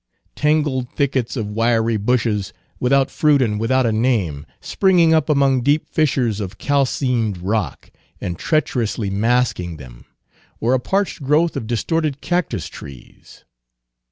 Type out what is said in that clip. Tangled thickets of wiry bushes, without fruit and without a name, springing up among deep fissures of calcined rock, and treacherously masking them; or a parched growth of distorted cactus trees.